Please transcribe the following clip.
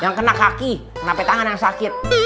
yang kena kaki kena petangan yang sakit